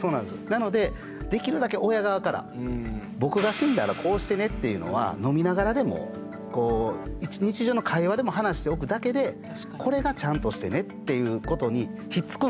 なのでできるだけ親側から僕が死んだらこうしてねっていうのは飲みながらでも日常の会話でも話しておくだけでこれがちゃんとしてねっていうことにひっつくんで。